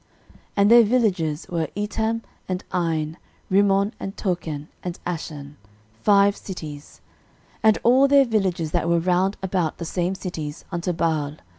13:004:032 And their villages were, Etam, and Ain, Rimmon, and Tochen, and Ashan, five cities: 13:004:033 And all their villages that were round about the same cities, unto Baal.